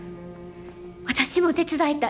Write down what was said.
私も手伝いたい。